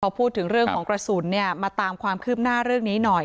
พอพูดถึงเรื่องของกระสุนเนี่ยมาตามความคืบหน้าเรื่องนี้หน่อย